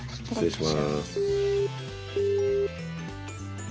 失礼します。